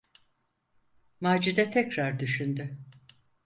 Macide tekrar düşündü: